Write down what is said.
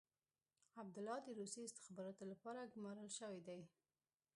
عبدالله د روسي استخباراتو لپاره ګمارل شوی دی.